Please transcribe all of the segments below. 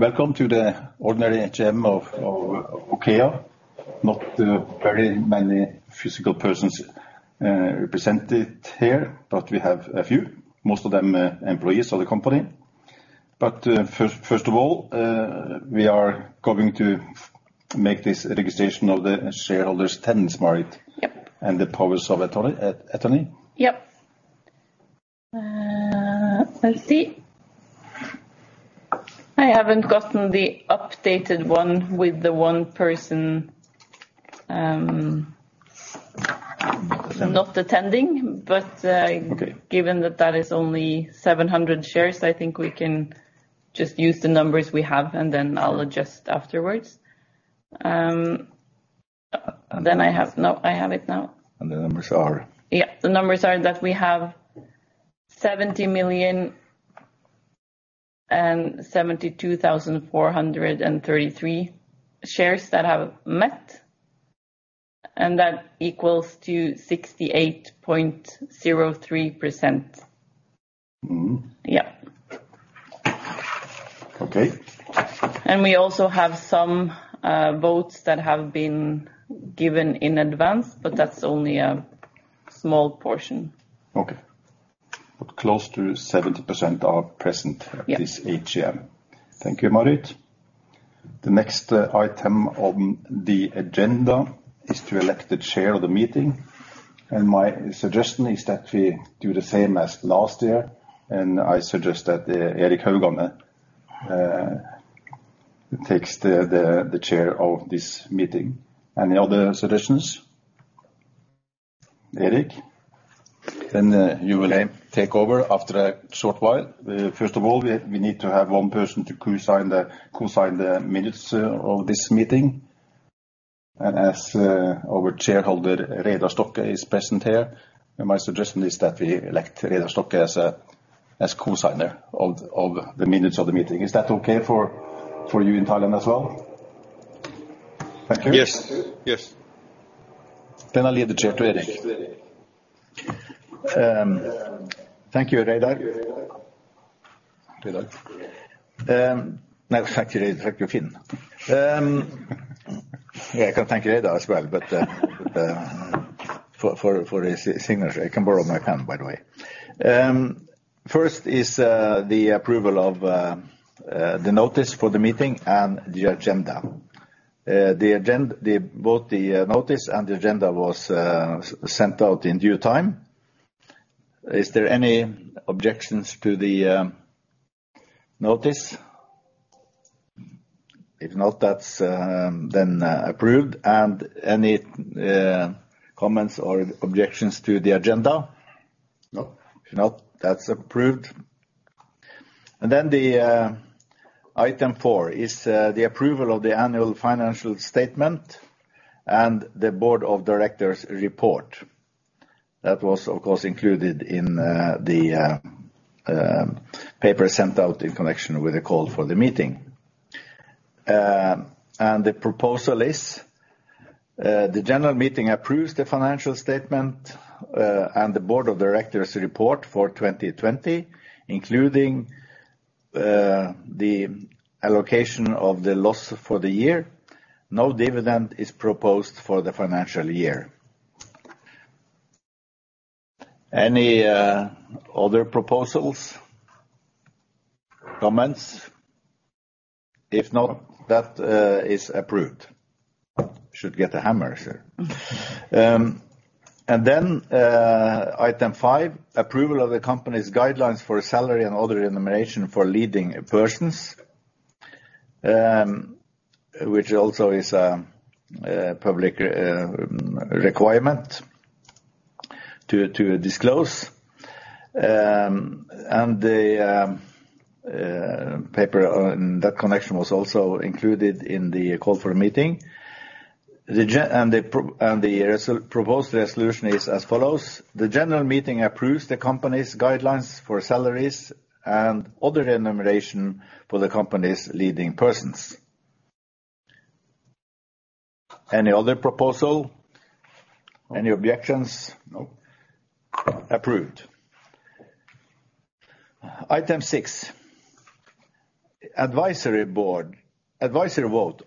Welcome to the ordinary AGM of OKEA. Not very many physical persons represented here, but we have a few, most of them are employees of the company. First of all, we are going to make this registration of the shareholders attendance, Marit. Yep. The powers of attorney. Yep. Let's see. I haven't gotten the updated one with the one person, not attending, but given that that is only 700 shares, I think we can just use the numbers we have, and then I'll adjust afterwards. I have it now. The numbers are? Yeah. The numbers are that we have 70,072,433 shares that have met. That equals to 68.03%. Yeah. Okay. We also have some votes that have been given in advance, but that's only a small portion. Okay. Close to 70% are present. Yeah at this AGM. Thank you, Marit. The next item on the agenda is to elect the chair of the meeting. My suggestion is that we do the same as last year. I suggest that Erik Haugane takes the chair of this meeting. Any other suggestions? Erik, you will take over after a short while. First of all, we need to have one person to co-sign the minutes of this meeting. As our shareholder, Reidar Stokke, is present here, my suggestion is that we elect Reidar Stokke as co-signer of the minutes of the meeting. Is that okay for you in Thailand as well? Thank you. Yes. I leave the chair to Erik. Thank you, Reidar. No, thank you, Finn Haugan. Yeah, I can thank Reidar as well, for his signature, I can borrow my pen, by the way. First is the approval of the notice for the meeting and the agenda. Both the notice and the agenda was sent out in due time. Is there any objections to the notice? If not, that's then approved, and any comments or objections to the agenda? No. If not, that's approved. The item four is the approval of the Annual Financial Statement and the Board of Directors Report. That was, of course, included in the paper sent out in connection with the call for the meeting. The proposal is, the general meeting approves the Financial Statement and the Board of Directors Report for 2020, including the allocation of the loss for the year. No dividend is proposed for the financial year. Any other proposals? Comments? If not, that is approved. Should get a hammer here. Item five, approval of the company's guidelines for salary and other remuneration for leading persons, which also is a public requirement to disclose. The paper in that connection was also included in the call for a meeting. The proposed resolution is as follows: The general meeting approves the company's guidelines for salaries and other remuneration for the company's leading persons. Any other proposal? Any objections? No. Approved. Item six, advisory vote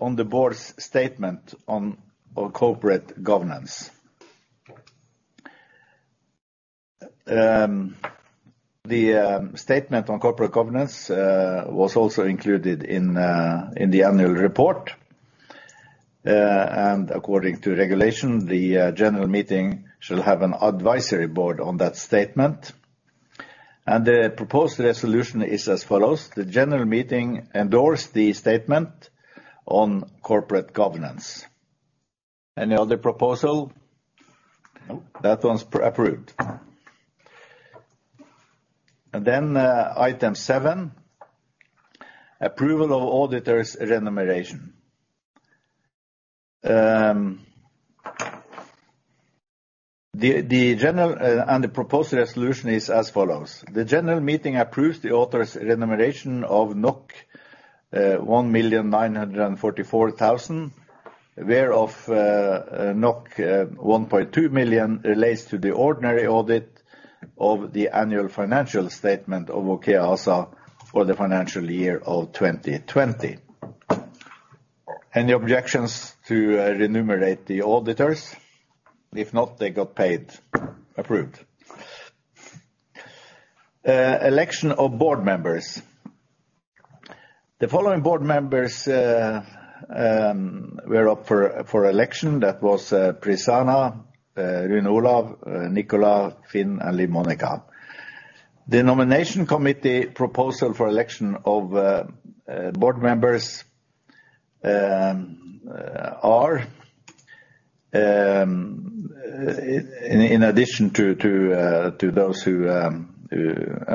on the board's statement on corporate governance. The statement on corporate governance was also included in the annual report. According to regulation, the general meeting shall have an advisory board on that statement. The proposed resolution is as follows: The general meeting endorsed the statement on corporate governance. Any other proposal? No. That one's approved. Item seven, approval of auditor's remuneration. The proposed resolution is as follows: The general meeting approves the auditor's remuneration of 1,944,000. Whereof 1.2 million relates to the ordinary audit of the annual financial statement of OKEA ASA for the financial year of 2020. Any objections to remunerate the auditors? If not, they got paid. Approved. Election of board members. The following board members were up for election. That was Prisana, Rune Olav, Nicola, Finn, and Liv Monica. The Nomination Committee proposal for election of board members are. I'll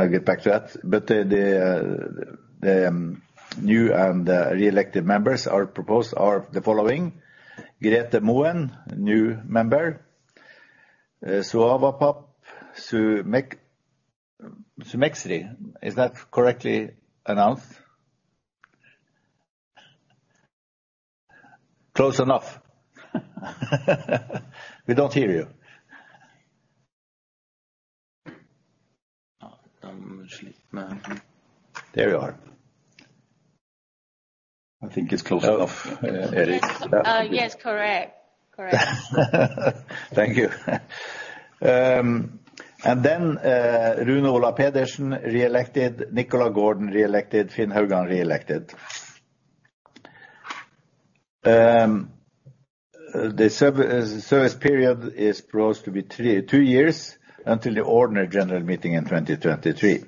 get back to that. The new and reelected members are proposed the following: Grethe Moen, new member, Saowapap Sumeksri. Is that correctly announced? Close enough? We don't hear you. There you are. I think it's close enough, Erik. Yes. Correct. Thank you. Rune Olav Pedersen, reelected. Nicola Gordon, reelected. Finn Haugan, reelected. The service period is proposed to be two years until the ordinary general meeting in 2023.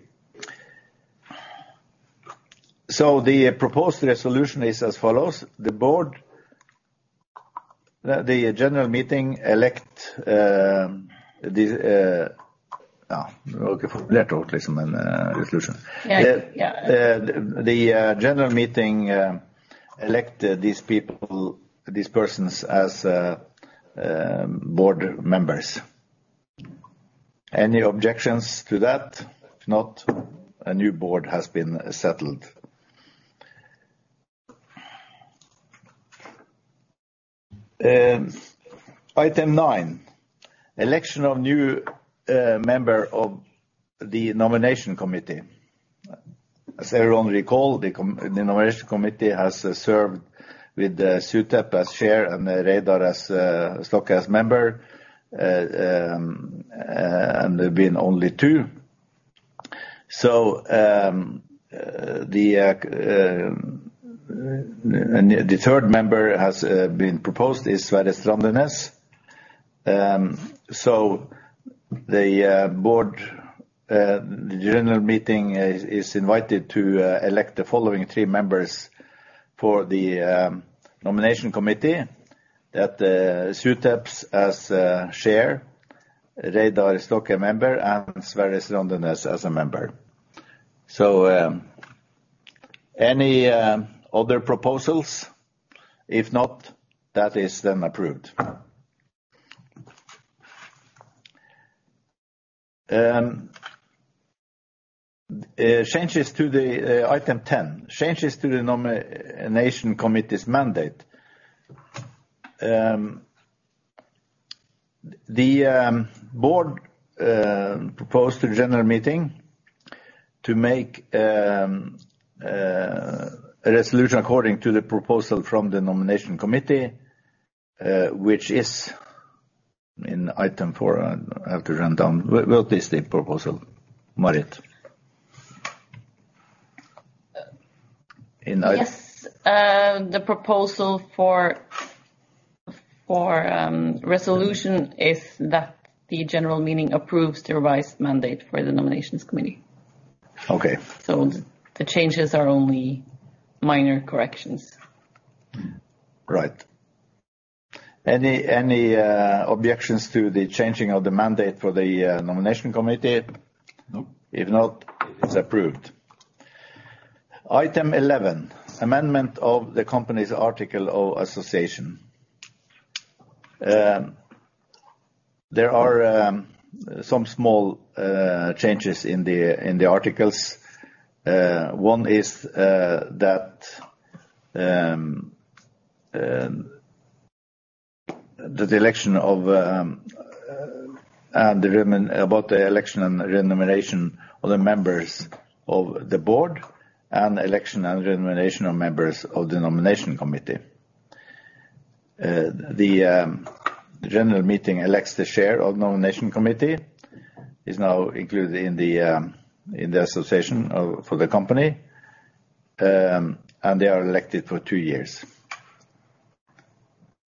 The proposed resolution is as follows. The general meeting No. Yeah. The general meeting elect these persons as board members. Any objections to that? A new board has been settled. Item nine, election of new member of the nomination committee. As everyone recall, the nomination committee has served with Suthep as chair and Reidar Stokke as member, there have been only two. The third member has been proposed is Sverre Strandenes. The general meeting is invited to elect the following three members for the nomination committee, that Suthep as chair, Reidar Stokke, a member, and Sverre Strandenes as a member. Any other proposals? That is approved. Item 10, changes to the nomination committee's mandate. The board proposed to the general meeting to make a resolution according to the proposal from the nomination committee, which is in item four. I have to run down. What is the proposal, Marit? The proposal for resolution is that the general meeting approves the revised mandate for the Nomination Committee. Okay. The changes are only minor corrections. Right. Any objections to the changing of the mandate for the Nomination Committee? No. If not, it's approved. Item 11, amendment of the company's article of association. There are some small changes in the articles. One is about the election and remuneration of the members of the Board and election and remuneration of members of the Nomination Committee. The General Meeting elects the Chair of Nomination Committee, is now included in the association for the company, and they are elected for two years.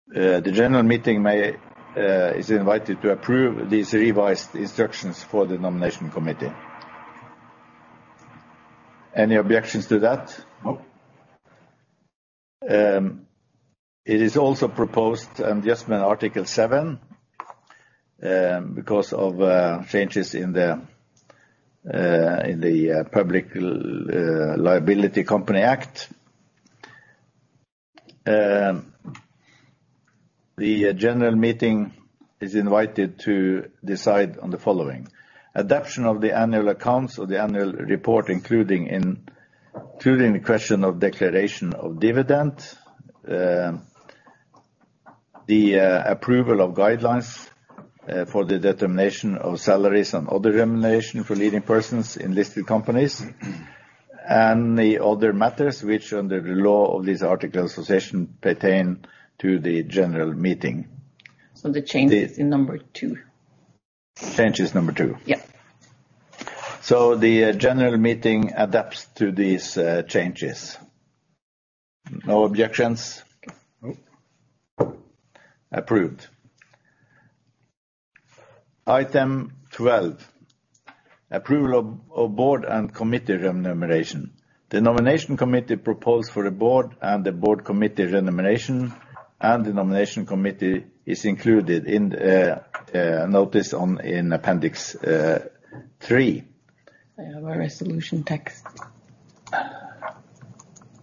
The General Meeting is invited to approve these revised instructions for the Nomination Committee. Any objections to that? No. It is also proposed an adjustment article seven, because of changes in the Public Limited Liability Companies Act. The general meeting is invited to decide on the following: adoption of the annual accounts of the annual report, including the question of declaration of dividend. The approval of guidelines for the determination of salaries and other remuneration for leading persons in listed companies, and the other matters which under the law of this article association pertain to the general meeting. The change is in number two. Change is number two. Yeah. The general meeting adapts to these changes. No objections? No. Approved. Item 12, approval of board and committee remuneration. The Nomination Committee proposed for the board and the board committee remuneration, and the Nomination Committee is included in a notice in appendix three. I have a resolution text.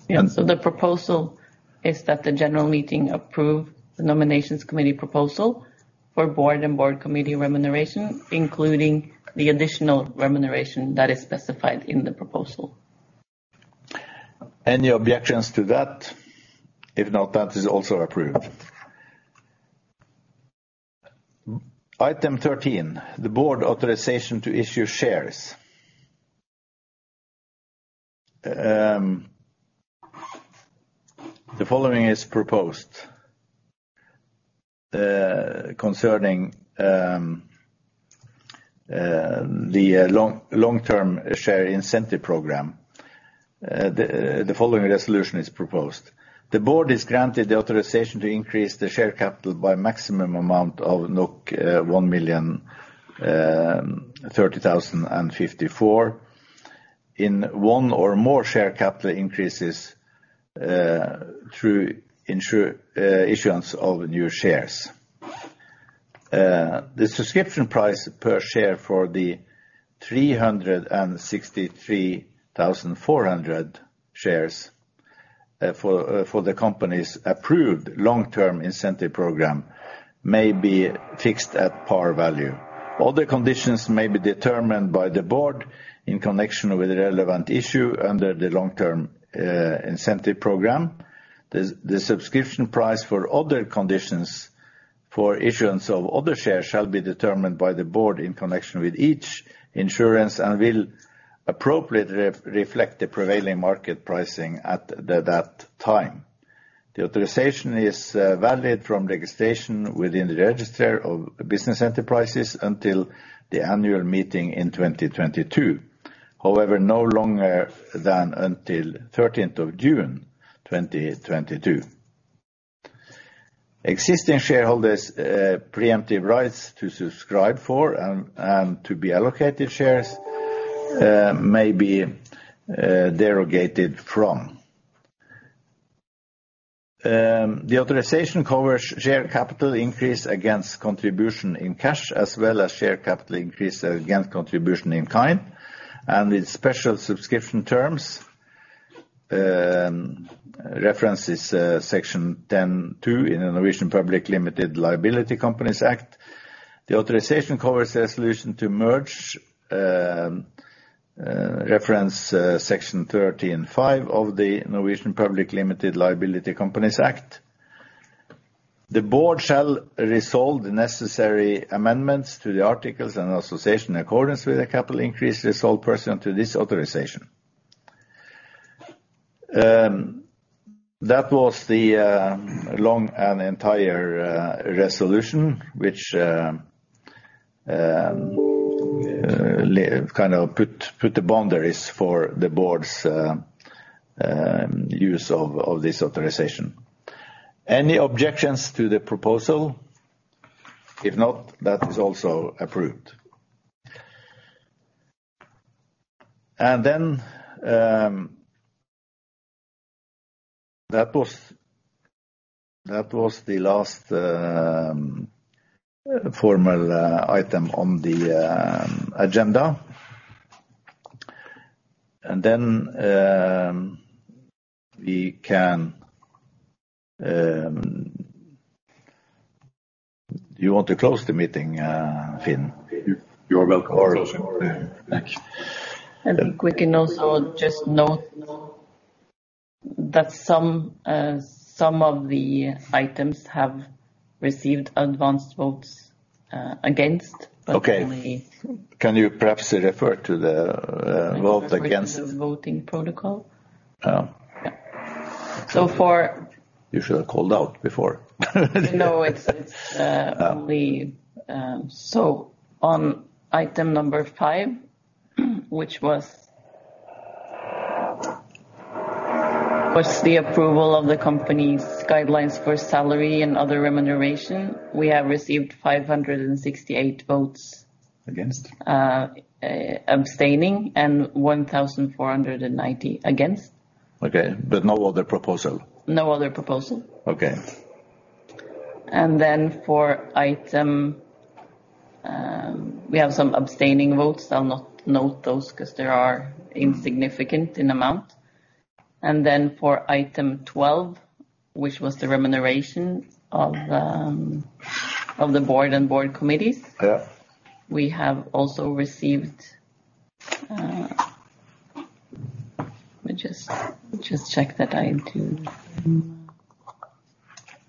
Yeah. The proposal is that the general meeting approve the Nomination Committee proposal for board and board committee remuneration, including the additional remuneration that is specified in the proposal. Any objections to that? If not, that is also approved. Item 13, the Board authorization to issue shares. The following is proposed concerning the long-term share incentive program. The following resolution is proposed: The Board is granted the authorization to increase the share capital by maximum amount of 1,030,054 in one or more share capital increases through issuance of new shares. The subscription price per share for the 363,400 shares for the company's approved long-term incentive program may be fixed at par value. Other conditions may be determined by the Board in connection with the relevant issue under the long-term incentive program. The subscription price for other conditions for issuance of other shares shall be determined by the Board in connection with each issuance and will appropriately reflect the prevailing market pricing at that time. The authorization is valid from registration within the register of business enterprises until the annual meeting in 2022. However, no longer than until 13th of June 2022. Existing shareholders' preemptive rights to subscribe for and to be allocated shares may be derogated from. The authorization covers share capital increase against contribution in cash, as well as share capital increase against contribution in kind, and with special subscription terms, references section 10 (2) in a Norwegian Public Limited Liability Companies Act. The authorization covers the resolution to merge, reference section 13 (5) of the Norwegian Public Limited Liability Companies Act. The board shall resolve the necessary amendments to the articles and association in accordance with the capital increase resolved pursuant to this authorization. That was the long and entire resolution, which kind of put the boundaries for the board's use of this authorization. Any objections to the proposal? If not, that is also approved. That was the last formal item on the agenda. Do you want to close the meeting, Finn? You're welcome. Yes. Thank you. we can also just note that some of the items have received advanced votes against, but only. Okay. Can you perhaps refer to the vote against? The voting protocol? Oh. Yeah. You should have called out before. No, it's only on item number five, which was the approval of the company's guidelines for salary and other remuneration, we have received 568 votes. Against? Abstaining, and 1,490 against. Okay. No other proposal? No other proposal. Okay. Then for item. We have some abstaining votes. I'll not note those because they are insignificant in amount. Then for item 12, which was the remuneration of the board and board committees. Yeah.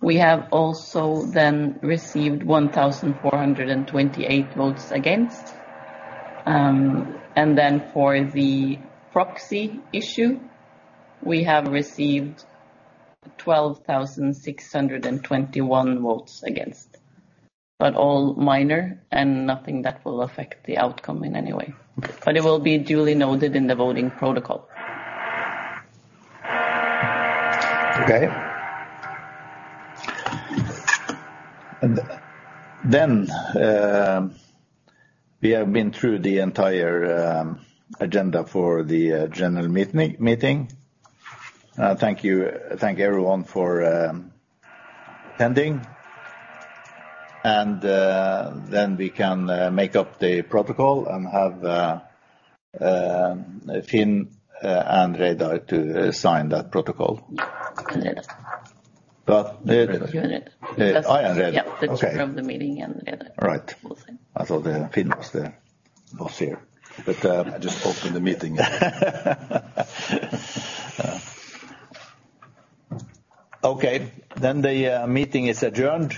We have also then received 1,428 votes against. For the proxy issue, we have received 12,621 votes against. All minor and nothing that will affect the outcome in any way. It will be duly noted in the voting protocol. Okay. We have been through the entire agenda for the general meeting. Thank you. Thank everyone for attending. We can make up the protocol and have Finn and Reidar to sign that protocol. Yeah. Reidar. What? You and Reidar. I and Reidar. Yeah. Okay. The two from the meeting and Reidar. All right. We'll sign. I thought Finn was the boss here, but. I just opened the meeting and. The meeting is adjourned.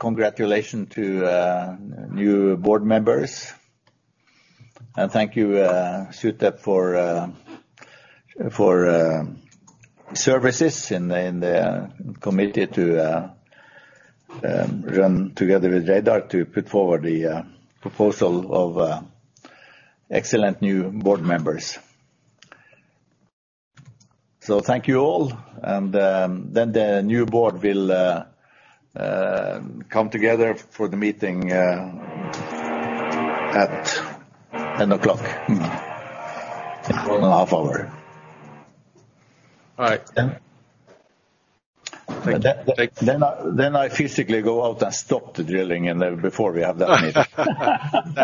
Congratulations to new board members, and thank you, Suthep, for services in the committee to run together with Reidar to put forward the proposal of excellent new board members. Thank you all. The new board will come together for the meeting at 10:00 in an half-hour. All right, then. Thank you. I physically go out and stop the drilling and then before we have that meeting.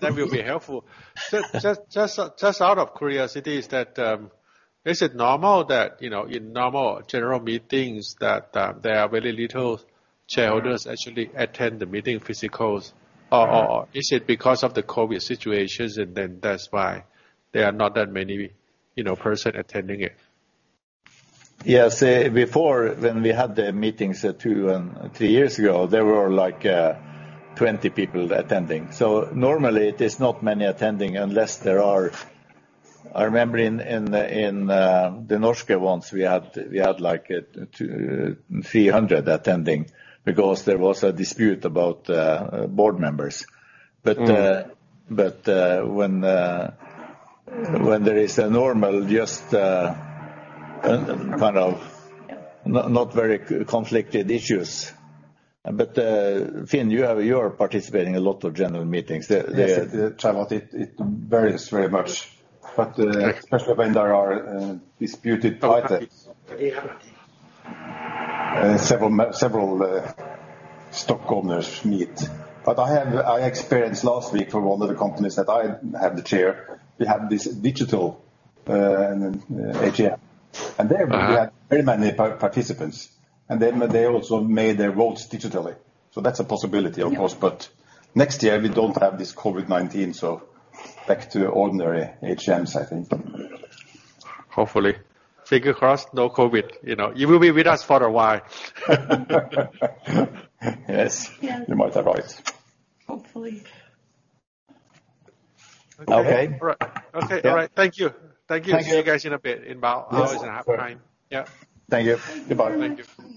That will be helpful. Just out of curiosity, is it normal that in normal general meetings that there are very little shareholders actually attend the meeting physical? Is it because of the COVID situations, and then that's why there are not that many persons attending it? Yes. Before when we had the meetings two and three years ago, there were 20 people attending. Normally there's not many attending unless there are I remember in the Norske ones, we had 300 attending because there was a dispute about board members. When there is a normal, just kind of not very conflicted issues. Finn, you are participating in a lot of general meetings. Yes. It varies very much. Especially when there are disputed items, several stockholders meet. I experienced last week for one of the companies that I am the chair, we had this digital AGM, and there we had very many participants, and then they also made their votes digitally. That's a possibility, of course, but next year we don't have this COVID-19, so back to ordinary AGMs, I think. Hopefully. Finger crossed, no COVID. It will be with us for a while. Yes. Yeah. You might be right. Hopefully. Okay. Okay. All right. Thank you. Thank you. See you guys in a bit, in about an hour and a half time. Yeah. Thank you. Goodbye. Thank you.